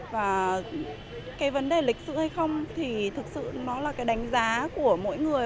và cái vấn đề lịch sử hay không thì thực sự nó là cái đánh giá của mỗi người